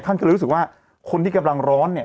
ท่านก็เลยรู้สึกว่าคนที่กำลังร้อนเนี่ย